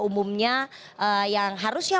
umumnya yang harusnya